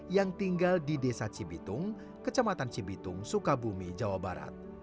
yang tinggal di desa cibitung kecamatan cibitung sukabumi jawa barat